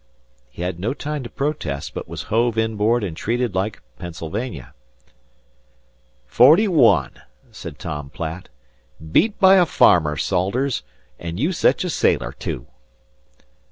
He had no time to protest, but was hove inboard and treated like "Pennsylvania." "Forty one," said Tom Platt. "Beat by a farmer, Salters. An' you sech a sailor, too!"